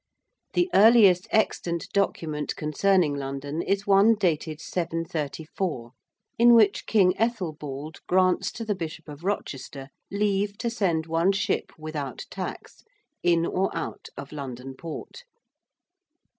The earliest extant document concerning London is one dated 734, in which King Ethelbald grants to the Bishop of Rochester leave to send one ship without tax in or out of London Port.